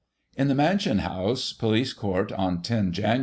In the Mansion House Pohce Court, on 10 Jan.